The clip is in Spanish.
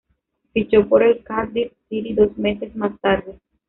Fichó por el Cardiff City dos meses más tarde.